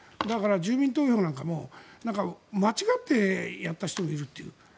だから、住民投票なんか間違ってやった人もいるという。